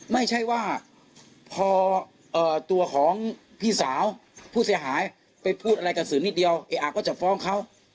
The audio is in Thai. ไม่ใช่ว่าพอตัวของพี่สาวผู้เสียหายไปพูดอะไรกับสื่อนิดเดียวเออะก็จะฟ้องเขา